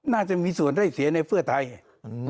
น่าจะมีส่วนได้เสียในเพื่อไทย